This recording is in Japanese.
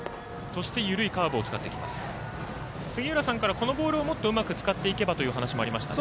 杉浦さんからこのボールをうまく使っていけばというお話もありましたね。